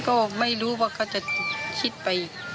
ก็ไม่รู้ว่าเขาจะคิดไป